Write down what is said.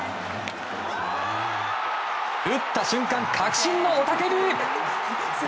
打った瞬間、確信の雄たけび！